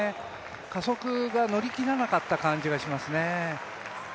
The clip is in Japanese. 加速が乗り切らなかった感じがしますね。